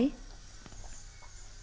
dạo chơi non nước